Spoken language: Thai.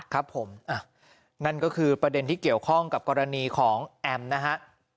ครับผมนั่นก็คือประเด็นที่เกี่ยวข้องกับกรณีของแอมนะฮะ